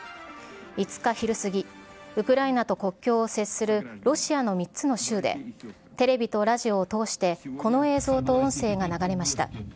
５日昼過ぎ、ウクライナと国境を接するロシアの３つの州で、テレビとラジオを通して、この映像と音声が流れました。